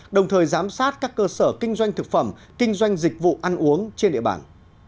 đồng thời giám sát các cơ sở kinh doanh thực phẩm kinh doanh dịch vụ ăn uống trên địa bàn